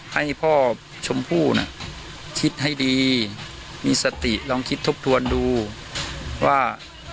ให้พ่อชมพู่น่ะคิดให้ดีมีสติลองคิดทบทวนดูว่า